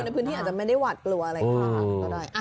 คนในพื้นที่อาจจะไม่ได้หวัดกลัวอะไรอย่างนั้นก็ได้